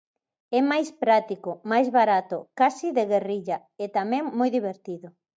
É máis práctico, máis barato, case de guerrilla, e tamén moi divertido.